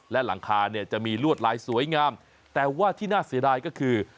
และหลังคาเนี่ยจะมีลวดลายสวยงามแต่ว่าที่น่าเสียดายก็คือ